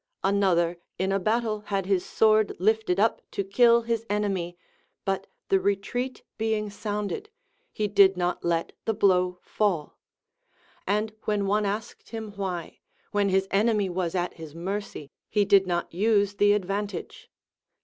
Another in a battle had his sword lifted up to kill his enemy, but the retreat being sounded, he did not let the blow fall ; and when one asked him why, when his enemy was at his mercy, he did not use the advantage.